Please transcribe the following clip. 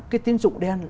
cái tín dụng đen